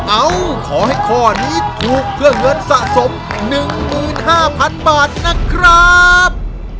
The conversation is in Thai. เอ้าขอให้ข้อนี้ถูกเพื่อเงินสะสม๑๕๐๐๐บาทนะครับ